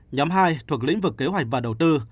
nhóm hai thuộc lĩnh vực kế hoạch và đầu tư